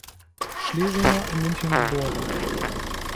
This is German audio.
Schlesinger, in München geboren.